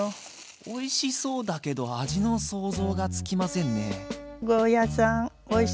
おいしそうだけど味の想像がつきませんね。